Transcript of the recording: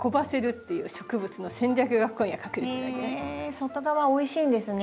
外側おいしいんですね？